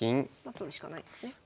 取るしかないですね。